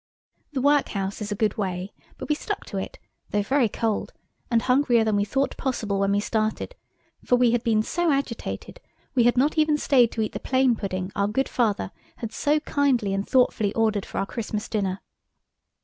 The workhouse is a good way, but we stuck to it, though very cold, and hungrier than we thought possible when we started, for we had been so agitated we had not even stayed to eat the plain pudding our good Father had so kindly and thoughtfully ordered for our Christmas dinner.